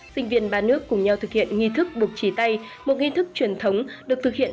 sinh viên ba nước cùng nhau thực hiện nghi thức bục trí tay một nghi thức truyền thống được thực hiện